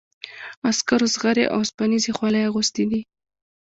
عسکرو زغرې او اوسپنیزې خولۍ اغوستي دي.